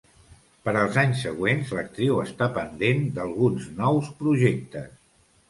Per als anys següents, l'actriu està pendent d'alguns nous projectes.